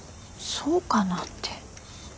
そうかなって。